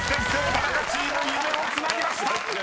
タナカチーム夢をつなぎました！］